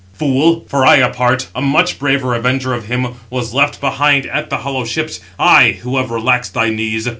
Fool! for I apart, a much braver avenger of him, was left behind at the hollow ships, I who have relaxed thy knees.